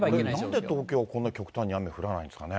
なんで東京はこんな極端に雨が降らないんですかね。